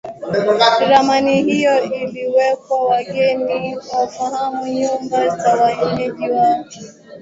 Ramani hiyo iliwekwa wageni wafahamu nyumba za wenyeji wao